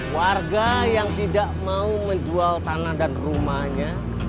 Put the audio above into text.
warga yang tidak mau menjual tanah dan rumahnya